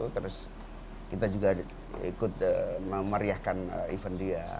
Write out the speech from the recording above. terus kita juga ikut memeriahkan event dia